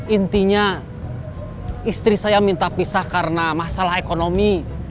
intinya istri saya minta pisah karena masalah ekonomi